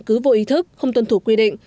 cứ vô ý thức không tuân thủ quy định